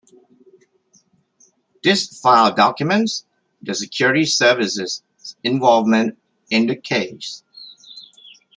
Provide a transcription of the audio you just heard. This file documents the Security Service's involvement in the case.